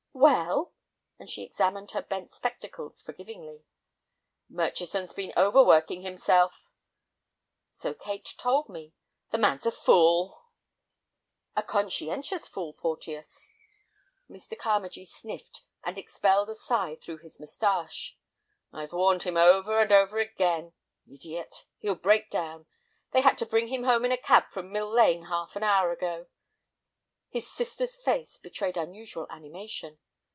"Well?" and she examined her bent spectacles forgivingly. "Murchison's been overworking himself." "So Kate told me." "The man's a fool." "A conscientious fool, Porteus." Mr. Carmagee sniffed, and expelled a sigh through his mustache. "I've warned him over and over again. Idiot! He'll break down. They had to bring him home in a cab from Mill Lane half an hour ago." His sister's face betrayed unusual animation.